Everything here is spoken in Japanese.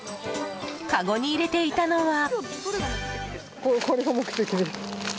かごに入れていたのは。